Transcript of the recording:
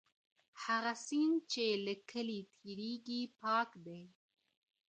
هغه سیند چې له کلي تېریږي پاک دی.